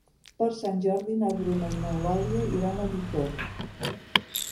Per Sant Jordi na Bruna i n'Eulàlia iran a Bicorb.